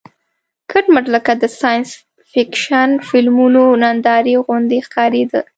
کټ مټ لکه د ساینس فېکشن فلمونو نندارې غوندې ښکارېده.